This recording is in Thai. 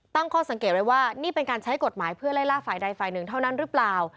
ตั้งข้อสังเกตไว้ว่านี่เป็นการใช้กฎหมายเพื่อไล่ล่าฝ่ายใดฝ่ายหนึ่งเท่านั้นหรือเปล่า